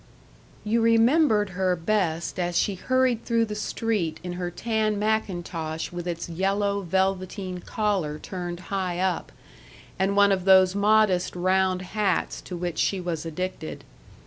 You remembered her best as she hurried through the street in her tan mackintosh with its yellow velveteen collar turned high up, and one of those modest round hats to which she was addicted.